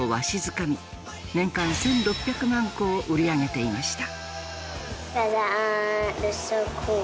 年間１，６００万個を売り上げていました。